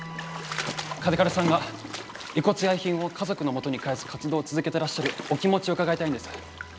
嘉手刈さんが遺骨や遺品を家族のもとに返す活動を続けてらっしゃるお気持ちを伺いたいんです。